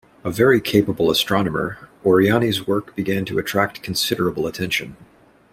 A very capable astronomer, Oriani's work began to attract considerable attention.